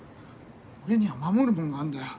俺には守るもんがあんだよ